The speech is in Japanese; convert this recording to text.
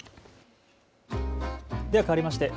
ではかわりまして＃